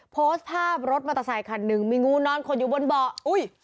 โพสต์ภาพรถมอเตอร์ไซคันหนึ่งมีงูนอนขดอยู่บนเบาะอุ้ย